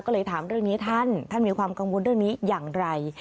ก็เลยถามเรื่องนี้ท่านท่านมีความกังวลเรื่องนี้อย่างไร